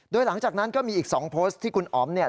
โดยหลังจากนั้นก็มีอีก๒โพสต์ที่คุณอ๋อมเนี่ย